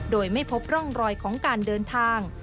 โดยไม่พบร่องรอยของการเดินทาง